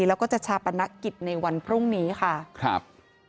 แล้วก็จะชาปนกิจในวันพรุ่งนี้ค่ะครับ